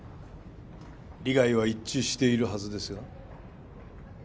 利害は一致しているはずですよ。